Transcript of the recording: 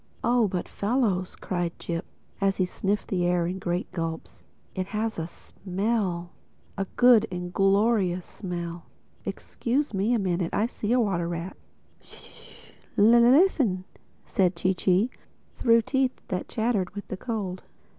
"Oh, but fellows," cried Jip, as he sniffed up the air in great gulps, "it has a smell—a good and glorious smell!—Excuse me a minute: I see a water rat." "Sh!—Listen!" said Chee Chee through teeth that chattered with the cold.